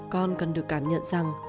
con cần được cảm nhận rằng